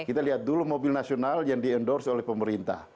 kita lihat dulu mobil nasional yang di endorse oleh pemerintah